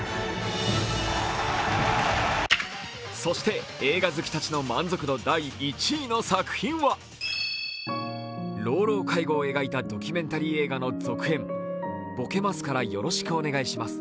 そして、映画好きたちの満足度第１位の作品は老々介護を描いたドキュメンタリー映画の続編、「ぼけますから、よろしくお願いします。